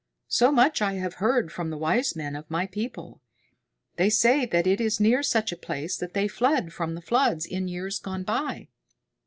So much I have heard from the wise men of my people. They say that it is near such a place that they fled from the flood in years gone by."